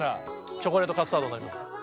チョコレート・カスタードになります。